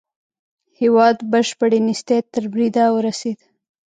هېواد بشپړې نېستۍ تر بريده ورسېد.